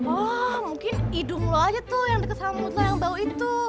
oh mungkin hidung lo aja tuh yang deket sama mulut lo yang bau itu